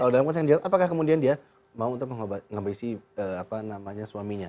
kalau dalam konteks yang jelas apakah kemudian dia mau untuk menghabisi apa namanya suaminya